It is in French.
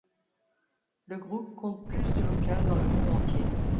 Le groupe compte plus de locales dans le monde entier.